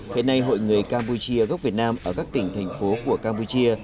hết nay hội người campuchia gốc việt nam ở các tỉnh thành phố của campuchia